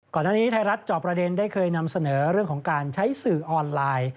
ก่อนหน้านี้ไทยรัฐจอบประเด็นได้เคยนำเสนอเรื่องของการใช้สื่อออนไลน์